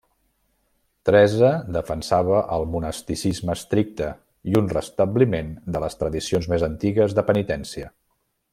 Teresa defensava el monasticisme estricte i un restabliment de les tradicions més antigues de penitència.